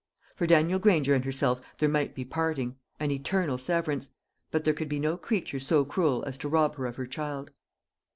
For Daniel Granger and herself there might be parting, an eternal severance; but there could be no creature so cruel as to rob her of her child.